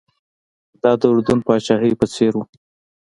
دا د اردن پاچاهۍ په څېر و.